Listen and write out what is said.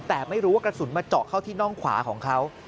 แต่ไม่รู้ว่ากระสุนมาเจาะเข้าที่น่องขวาของเขา